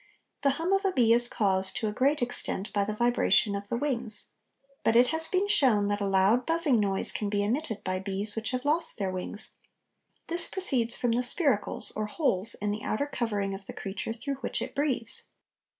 The hum of a bee is caused, to a great extent, by the vibration of the wings, but it has been shown that a loud buzzing noise can be emitted by bees which have lost their wings; this proceeds from the spiracles or holes in the outer covering of the creature through which it breathes.